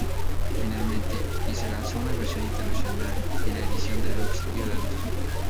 Finalmente, ni se lanzó una versión internacional ni la edición "deluxe" vio la luz.